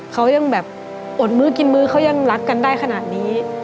เขายังแบบอดมื้อกินมื้อเขายังรักกันได้ขนาดนี้